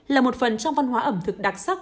là một phần trong văn hóa ẩm thực đặc sắc